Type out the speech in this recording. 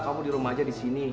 kamu di rumah aja disini